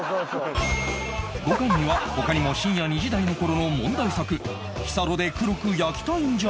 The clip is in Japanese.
５巻には他にも深夜２時台の頃の問題作「日サロで黒く焼きたいんじゃ！！」